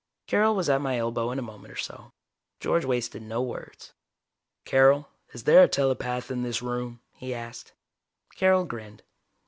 Carol was at my elbow in a moment or so. George wasted no words. "Carol, is there a telepath in this room?" he asked. Carol grinned.